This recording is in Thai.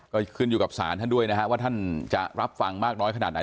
ก็ขึ้นอยู่กับศาลท่านด้วยนะฮะว่าท่านจะรับฟังมากน้อยขนาดไหน